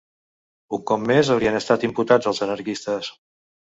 Un cop més, haurien estat imputats als anarquistes